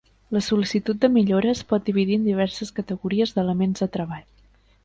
La sol·licitud de millora es pot dividir en diverses categories d'elements de treball.